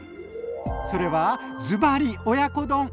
それはずばり親子丼！